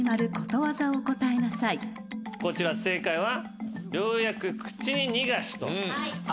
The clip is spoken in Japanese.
こちら正解は。